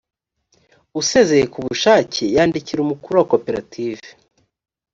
usezeye ku bushake yandikira umukuru wa koperative